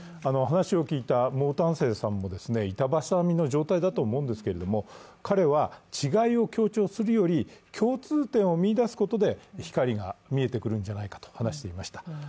話を聞いた毛丹青さんも板挟みの状態だと思うんですけれども、彼は違いを強調するより、共通点を見出すことで光が見えてくるんじゃないかと話していました。